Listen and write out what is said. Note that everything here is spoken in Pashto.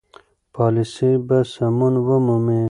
پالیسي به سمون ومومي.